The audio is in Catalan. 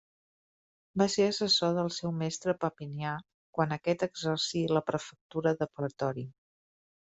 Va ser assessor del seu mestre Papinià, quan aquest exercí la prefectura del pretori.